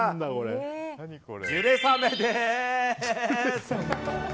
ジュレさめです！